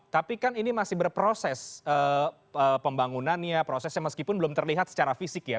tapi kan ini masih berproses pembangunannya prosesnya meskipun belum terlihat secara fisik ya